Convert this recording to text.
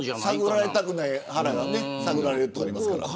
探られたくない腹が探られますからね。